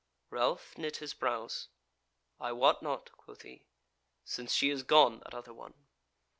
Ralph knit his brows: "I wot not," quoth he, "since she is gone, that other one."